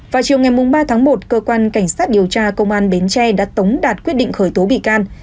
vào chiều ngày ba tháng một cơ quan cảnh sát điều tra công an bến tre đã tống đạt quyết định khởi tố bị can